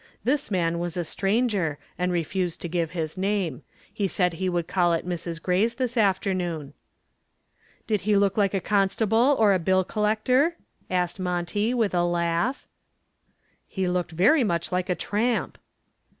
This man was a stranger and refused to give his name. He said he would call at Mrs. Gray's this afternoon." "Did he look like a constable or a bill collector?" asked Monty, with a laugh. "He looked very much like a tramp."